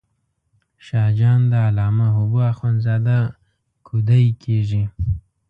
شاه جان د علامه حبو اخند زاده کودی کېږي.